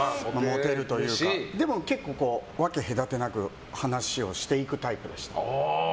でも、結構分け隔てなく話をしていくタイプでした。